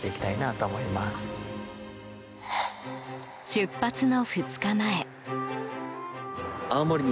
出発の２日前。